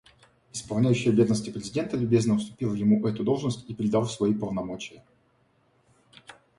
Исполняющий обязанности президента любезно уступил ему эту должность и передал свои полномочия.